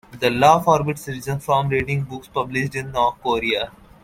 The law forbids citizens from reading books published in North Korea.